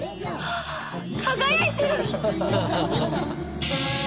輝いてる！